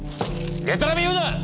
でたらめ言うな！